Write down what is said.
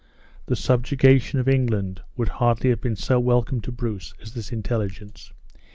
The subjugation of England would hardly have been so welcome to Bruce as this intelligence.